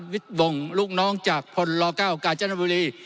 วิทวงศ์ลูกน้องจากพลลเก้ากาจนบุรี